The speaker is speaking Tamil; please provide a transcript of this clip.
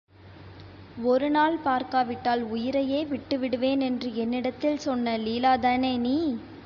ஒரு நாள் பார்க்காவிட்டால் உயிரையே விட்டுவிடுவேனென்று என்னிடத்தில் சொன்ன லீலா தானே நீ?